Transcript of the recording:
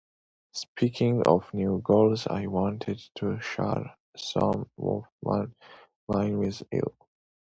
Speaking of new goals, I wanted to share some of mine with you.